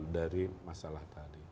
dari masalah tadi